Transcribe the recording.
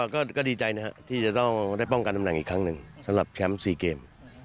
ก็ดีใจนะครับที่จะต้องได้ป้องกันตำแหน่งอีกครั้งหนึ่งสำหรับแชมป์๔เกม